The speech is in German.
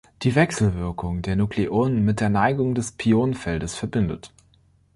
Die Wechselwirkung, die Nukleonen mit der "Neigung" des Pionfeldes verbindet.